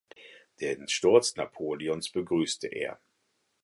Den Sturz Napoleons begrüßte er.